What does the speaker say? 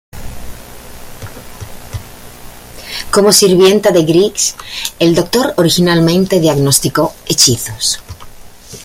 Como sirvienta de Griggs, el doctor originalmente diagnosticó hechizos.